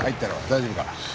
大丈夫か？